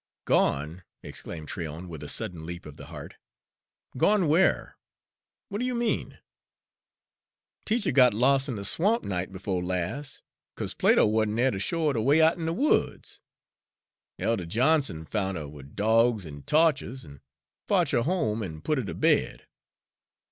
"Gone!" exclaimed Tryon, with a sudden leap of the heart. "Gone where? What do you mean?" "Teacher got los' in de swamp, night befo' las', 'cause Plato wa'n't dere ter show her de way out'n de woods. Elder Johnson foun' 'er wid dawgs and tawches, an' fotch her home an' put her ter bed.